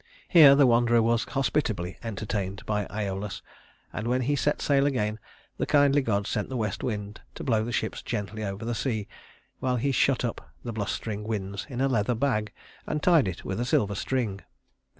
Here the wanderer was hospitably entertained by Æolus, and when he set sail again, the kindly god sent the west wind to blow the ships gently over the sea, while he shut up the blustering winds in a leather bag and tied it with a silver string.